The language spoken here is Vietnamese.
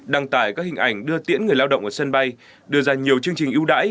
đăng tải các hình ảnh đưa tiễn người lao động ở sân bay đưa ra nhiều chương trình ưu đãi